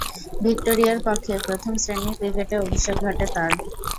ভিক্টোরিয়ার পক্ষে প্রথম-শ্রেণীর ক্রিকেটে অভিষেক ঘটে তার।